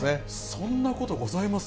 そんなことございます？